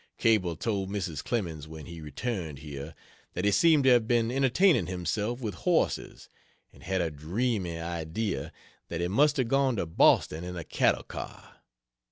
Cable told Mrs. Clemens when he returned here, that he seemed to have been entertaining himself with horses, and had a dreamy idea that he must have gone to Boston in a cattle car.